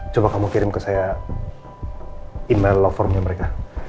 coba kamu kirim ke saya email law formnya mereka